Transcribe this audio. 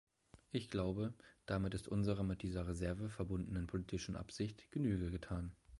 Ich glaube, damit ist unserer mit dieser Reserve verbundenen politischen Absicht Genüge getan.